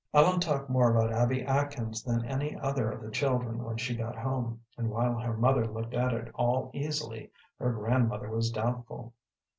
Ellen talked more about Abby Atkins than any other of the children when she got home, and while her mother looked at it all easily, her grandmother was doubtful.